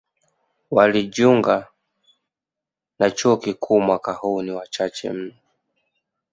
Walijunga na chuo kikuu mwaka huu ni wachache mno.